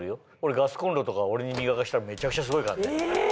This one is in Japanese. ガスコンロとか俺に磨かしたらめちゃくちゃすごいからね。